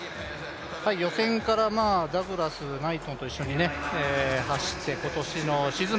予選からダグラス、ナイトンと一緒に走って今年のシーズン